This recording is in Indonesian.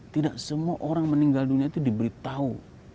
tidak semua orang meninggal dunia itu diberitahu